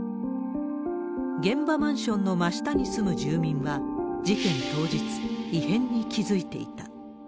現場マンションの真下に住む住民は事件当日、異変に気付いていた。